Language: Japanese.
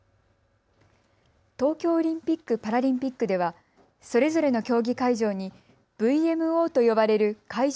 東京オリンピック・パラリンピックではそれぞれの競技会場にＶＭＯと呼ばれる会場